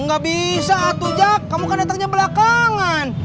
gak bisa atuh jak kamu kan datangnya belakangan